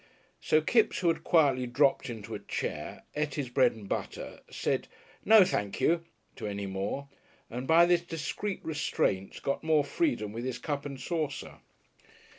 So Kipps, who had quietly dropped into a chair, ate his bread and butter, said "No, thenk you" to any more, and by this discreet restraint got more freedom with his cup and saucer.